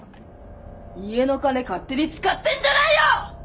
家の金勝手に使ってんじゃないよ！